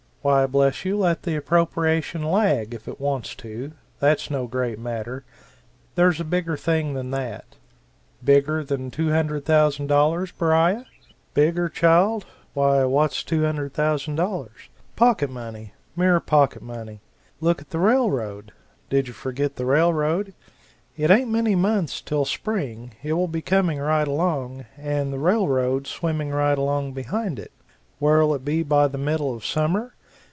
Why bless you, let the appropriation lag, if it wants to that's no great matter there's a bigger thing than that." "Bigger than $200,000, Beriah?" "Bigger, child? why, what's $200,000? Pocket money! Mere pocket money! Look at the railroad! Did you forget the railroad? It ain't many months till spring; it will be coming right along, and the railroad swimming right along behind it. Where'll it be by the middle of summer?